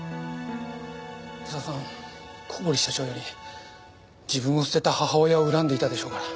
功さん小堀社長より自分を捨てた母親を恨んでいたでしょうから。